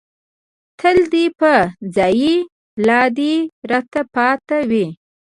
تله دې په ځائے، لا دې راتله پاتې دي